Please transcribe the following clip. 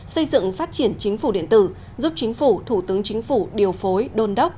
xây dựng phát triển chính phủ điện tử giúp chính phủ thủ tướng chính phủ điều phối đôn đốc